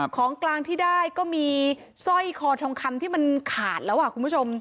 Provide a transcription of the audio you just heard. ของกลางที่ได้ก็มีสร้อยคอทองคำที่มันขาดแล้วคุณผู้ชม